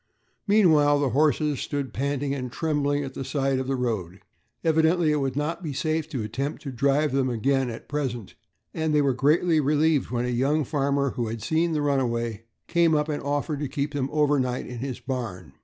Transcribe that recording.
Meanwhile the horses stood panting and trembling at the side of the road. Evidently it would not be safe to attempt to drive them again at present, and they were greatly relieved when a young farmer, who had seen the runaway, came up and offered to keep them overnight in his barn.